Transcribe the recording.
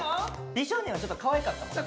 美少年はちょっとかわいかったもんね。